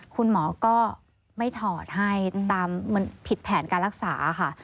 คุณหมอก็ไม่ถอดให้ตามมันผิดแผนการรักษาค่ะ